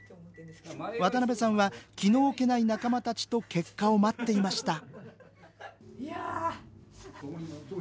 渡邉さんは気の置けない仲間たちと結果を待っていました